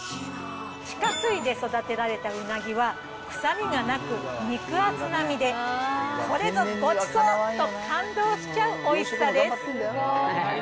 地下水で育てられたうなぎは臭みがなく肉厚な身で、これぞごちそうと感動しちゃうおいしさです。